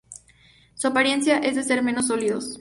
Su apariencia es de ser menos sólidos.